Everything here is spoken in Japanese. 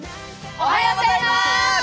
おはようございます！